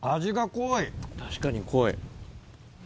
確かに濃い。